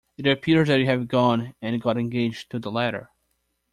It appears that you have gone and got engaged to the latter.